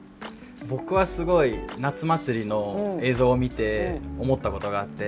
僕はすごい夏祭りの映像を見て思ったことがあって。